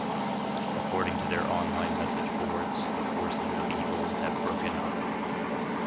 According to their online message boards, The Forces of Evil have broken up.